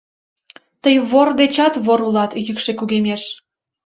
Тый вор дечат вор улат! — йӱкшӧ кугемеш.